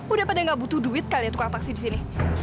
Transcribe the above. udah pada gak butuh duit kalian tukang taksi disini